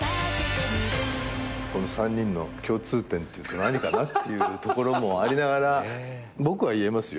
この３人の共通点っていうと何かなっていうところもありながら僕は言えますよ。